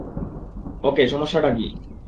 ওকে, সমস্যাটা কি?